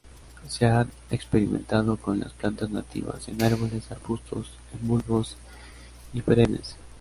Se han experimentado con las plantas nativas, en árboles, arbustos, en bulbos y perennes.